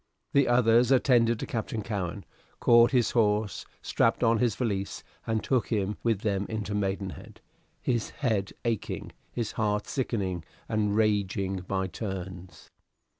The others attended to Captain Cowen, caught his horse, strapped on his valise, and took him with them into Maidenhead, his head aching, his heart sickening and raging by turns.